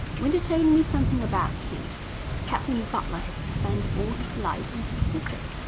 Winter told me something about him. Captain Butler had spent all his life on the Pacific.